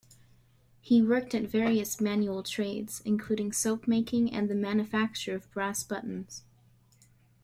He worked at various manual trades, including soapmaking and the manufacture of brass buttons.